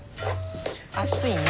熱いね。